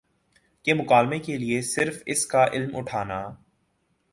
کہ مکالمے کے لیے صرف اس کا علم اٹھانا